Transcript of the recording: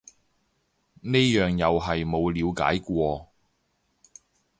呢樣又係冇了解過